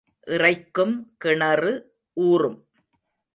இறைக்கும் கிணறு ஊறும்.